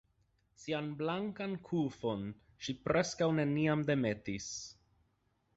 Sian blankan kufon ŝi preskaŭ neniam demetis.